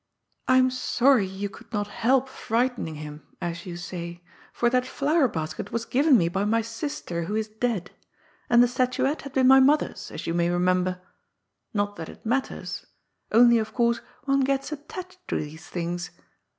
^ I am sorry you could not help frightening him, as you say, for that flower basket was given me by my sister who is dead, and the statuette had been my mother's, as you may remember. Not that it matters ; only, of course, one gets attached to these things.